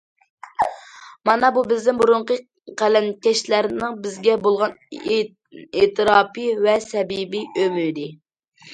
مانا بۇ بىزدىن بۇرۇنقى قەلەمكەشلەرنىڭ بىزگە بولغان ئېتىراپى ۋە سەمىمىي ئۈمىدى.